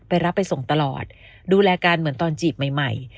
รับไปส่งตลอดดูแลการเหมือนตอนจีบใหม่ใหม่